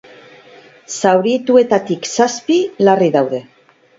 Zaurituetatik zazpi larri daude.